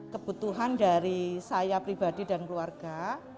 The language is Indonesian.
kebutuhan dari saya pribadi dan keluarga